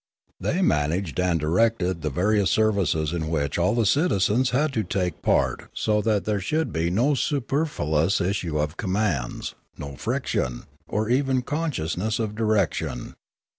They managed and directed the various services in which all the citizens had to take part so that there should be no superfluous issue of commands, no friction, or even consciousness of direction.